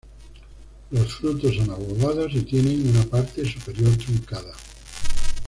Los frutos son obovados y tienen una parte superior truncada.